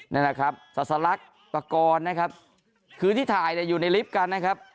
นั่นนะครับสลักประกอบนะครับคือที่ถ่ายอยู่ในลิฟต์กันนะครับ